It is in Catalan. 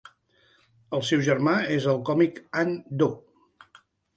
El seu germà és el còmic Anh Do.